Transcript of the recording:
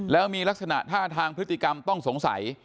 แล้วมีลักษณะท่าทางพฤติกรรมต้องสงสัย